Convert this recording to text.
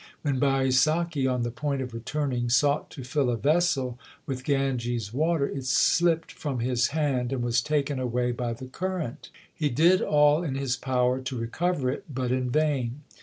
When Baisakhi on the point of returning sought to fill a vessel with Ganges water, it slipped from his hand and was taken away by the current. He did all in his power to recover it, but in vain.